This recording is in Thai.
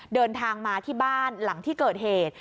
เดินทางมาที่บ้านหลังที่เกิดเหตุ